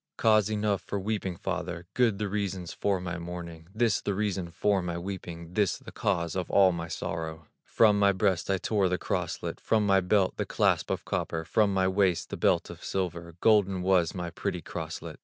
"Cause enough for weeping, father, Good the reasons for my mourning, This, the reason for my weeping, This, the cause of all my sorrow: From my breast I tore the crosslet, From my belt, the clasp of copper, From my waist, the belt of silver, Golden was my pretty crosslet."